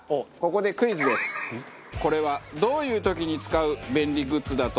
これはどういう時に使う便利グッズだと思いますか？